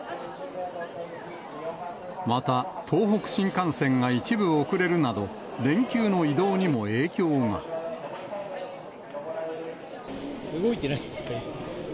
また東北新幹線が一部遅れるなど、動いてないんですね。